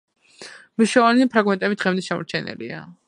მნიშვნელოვანი ფრაგმენტები დღემდე შემორჩენილია.